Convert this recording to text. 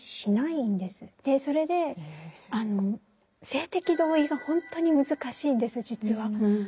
それで性的同意がほんとに難しいんです実は。